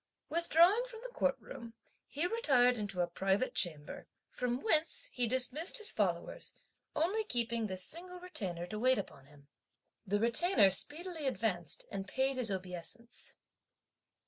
Withdrawing from the Court room, he retired into a private chamber, from whence he dismissed his followers, only keeping this single Retainer to wait upon him. The Retainer speedily advanced and paid his obeisance.